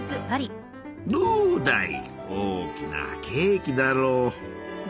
どうだい大きなケーキだろう！